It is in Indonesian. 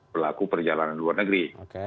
pelaku perjalanan luar negeri